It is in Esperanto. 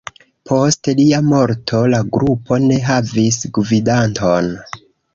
Post lia morto, la grupo ne havis gvidanton.